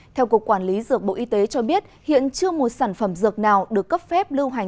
theo cục quản lý dược bộ y tế cho biết hiện chưa một sản phẩm dược nào được cấp phép lưu hành